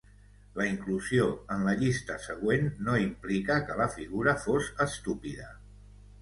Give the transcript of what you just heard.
La inclusió en la llista següent no implica que la figura fos estúpida.